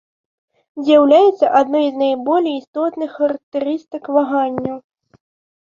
З'яўляецца адной з найболей істотных характарыстык ваганняў.